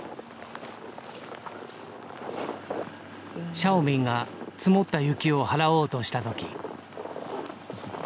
シャオミンが積もった雪を払おうとした時。